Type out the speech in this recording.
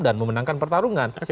dan memenangkan pertarungan